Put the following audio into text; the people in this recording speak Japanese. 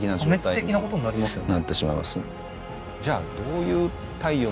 破滅的なことになりますよね。